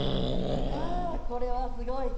ハァこれはすごい！